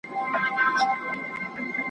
که یې عقل او قوت وي د زمریانو ,